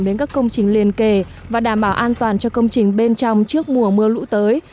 đến các công trình liên kề và đảm bảo an toàn cho công trình bên trong trước mùa mưa lũ tới